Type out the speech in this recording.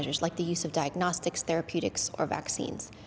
seperti penggunaan diagnostik teraputik atau vaksin